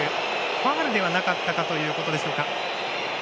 ファウルではなかったかということでしょうか。